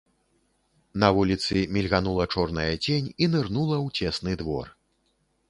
На вуліцы мільганула чорная цень і нырнула ў цесны двор.